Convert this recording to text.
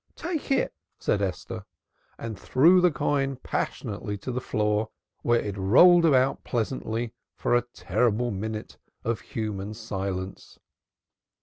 "Take it!" said Esther. And threw the coin passionately to the floor, where it rolled about pleasantly for a terrible minute of human silence.